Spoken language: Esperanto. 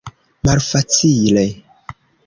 Malfacile!